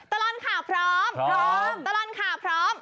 ตะลอนข่าวพร้อม